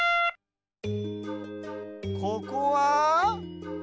ここは？